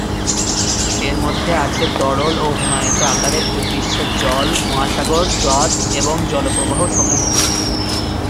এর মধ্যে আছে তরল ও হিমায়িত আকারে ভূপৃষ্ঠের জল, মহাসাগর, হ্রদ এবং জলপ্রবাহসমূহ।